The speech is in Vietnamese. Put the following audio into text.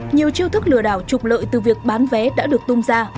nhiều chiêu thức lừa đảo trục lợi từ việc bán vé đã được tung ra